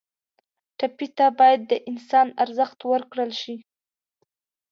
ټپي ته باید د انسان ارزښت ورکړل شي.